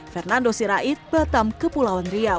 fernando sirait batam kepulauan riau